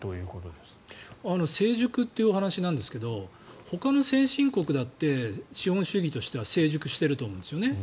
成熟というお話なんですがほかの先進国だって成熟していると思うんです。